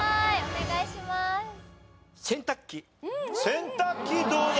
洗濯機どうだ？